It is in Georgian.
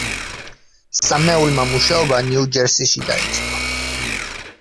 სამეულმა მუშაობა ნიუ-ჯერსიში დაიწყო.